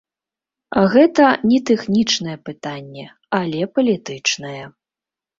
Гэта не тэхнічная пытанне, але палітычнае.